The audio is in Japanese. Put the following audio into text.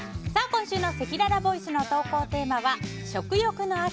今週のせきららボイスの投稿テーマは食欲の秋！